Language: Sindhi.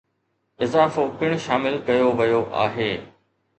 اضافو پڻ شامل ڪيو ويو آهي